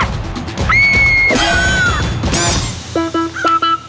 เพื่อฉัน